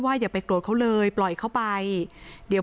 ไม่อยากให้มองแบบนั้นจบดราม่าสักทีได้ไหม